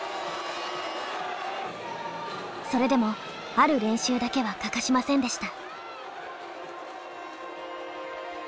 それでもある練習だけは欠かしませんでした。